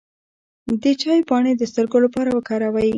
د چای پاڼې د سترګو لپاره وکاروئ